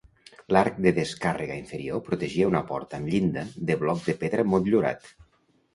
L'arc de descàrrega inferior protegia una porta amb llinda de bloc de pedra motllurat.